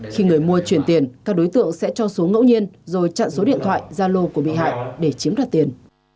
khi người mua chuyển tiền các đối tượng sẽ cho số ngẫu nhiên rồi chặn số điện thoại gia lô của bị hại để chiếm đoạt tiền